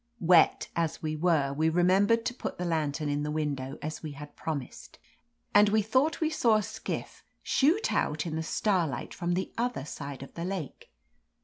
Wet as we were, we remembered to put the lantern in the window as we had promised, and we thought we saw a skiflf shoot out in the starlight from the otfier side of the lake.